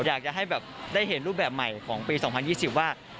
อยากจะให้แบบได้เห็นรูปแบบใหม่ของปี๒๐๒๐ว่า